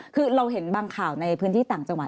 คือเราเห็นบางข่าวในพื้นที่ต่างจังหวัด